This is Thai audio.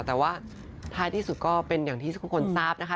แต่ว่าท้ายที่สุดก็เป็นอย่างที่ทุกคนทราบนะคะ